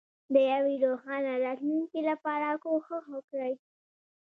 د یوې روښانه راتلونکې لپاره کوښښ وکړئ.